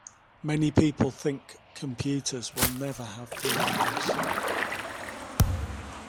Many people think computers will never have feelings.